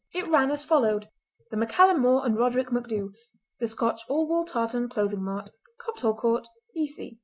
It ran as follows:— "The MacCallum More and Roderick MacDhu. "The Scotch All Wool Tartan Clothing Mart. Copthall Court, E.C.